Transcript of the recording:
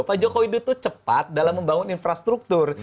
pak joko widodo itu cepat dalam membangun infrastruktur